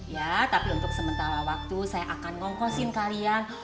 ya tapi untuk sementara waktu saya akan ngongkosin kalian